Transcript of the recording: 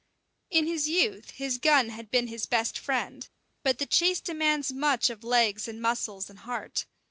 In his youth his gun had been his best friend; but the chase demands much of legs and muscles and heart.